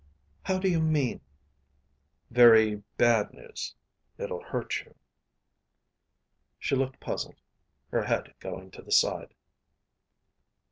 "How do you mean?" "Very bad news. It'll hurt you." She looked puzzled, her head going to the side.